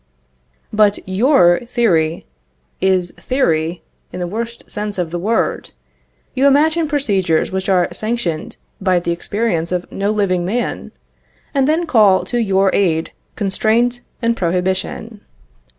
But your theory is theory in the worst sense of the word. You imagine procedures which are sanctioned by the experience of no living man, and then call to your aid constraint and prohibition.